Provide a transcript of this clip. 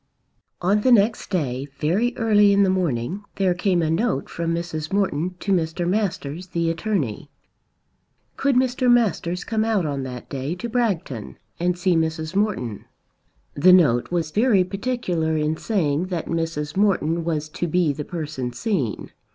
On the next day, very early in the morning, there came a note from Mrs. Morton to Mr. Masters, the attorney. Could Mr. Masters come out on that day to Bragton and see Mrs. Morton. The note was very particular in saying that Mrs. Morton was to be the person seen.